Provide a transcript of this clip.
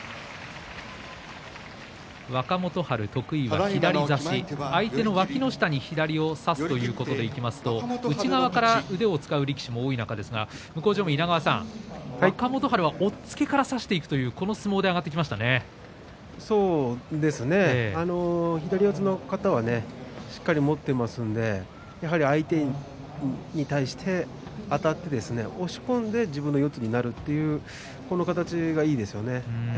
若元春、得意の左差し相手のわきの下に左を差すということでいきますと内側から腕を使う力士も多い中向正面の稲川さん、若元春は押っつけから差していくというそうですね、左四つの型しっかり持っていますのでやはり相手に対してあたって押し込んで自分の四つになるというこの形がいいですよね。